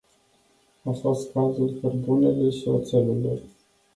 A fost cazul cărbunelui și oțelului.